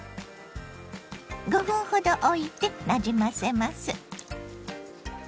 ５分ほどおいてなじませます。